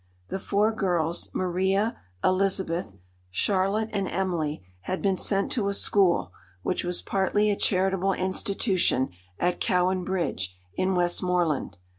The four girls—Maria, Elizabeth, Charlotte, and Emily—had been sent to a school, which was partly a charitable institution, at Cowan Bridge, in Westmoreland.